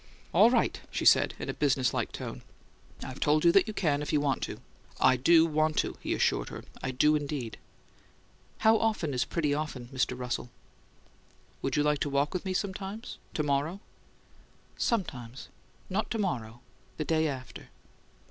"All right," she said, in a business like tone. "I've told you that you can if you want to." "I do want to," he assured her. "I do, indeed!" "How often is 'pretty often,' Mr. Russell?" "Would you walk with me sometimes? To morrow?" "Sometimes. Not to morrow. The day after."